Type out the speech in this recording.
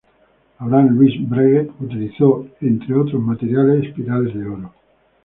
Abraham Louis Breguet utilizó, entre otros materiales, espirales de oro.